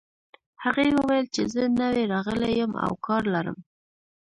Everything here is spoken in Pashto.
هغې وویل چې زه نوی راغلې یم او کار لرم